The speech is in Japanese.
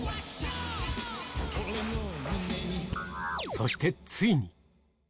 そしてついに！